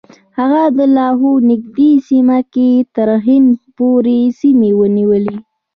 هغه د لاهور نږدې سیمه کې تر هند پورې سیمې ونیولې.